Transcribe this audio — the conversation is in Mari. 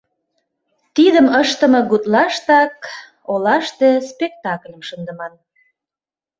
Тидым ыштыме гутлаштак олаште спектакльым шындыман.